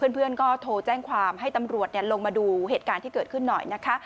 เพื่อนก็โทรแจ้งความให้ตำรวจลงมาดูเหตุการณ์ที่เกิดขึ้นหน่อยนะคะ